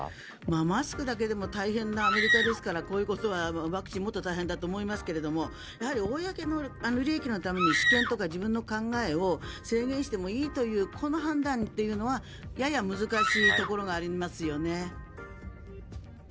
マスクだけでも大変なアメリカですからこういうことはワクチンもっと大変だと思いますけどもやはり公の利益のために私権とか自分の考えを制限してもいいというこの判断というのはやや難しいところがありますよね。